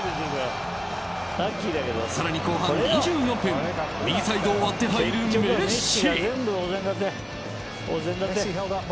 更に後半２４分右サイドを割って入るメッシ。